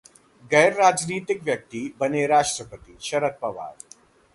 गैर राजनीतिक व्यक्ति बने राष्ट्रपतिः शरद पवार